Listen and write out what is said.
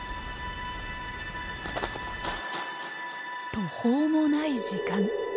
途方もない時間。